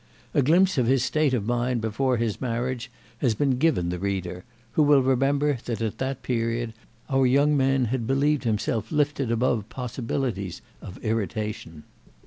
A glimpse of his state of mind before his marriage has been given the reader, who will remember that at that period our young man had believed himself lifted above possibilities of irritation.